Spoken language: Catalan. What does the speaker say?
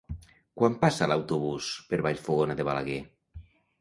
Quan passa l'autobús per Vallfogona de Balaguer?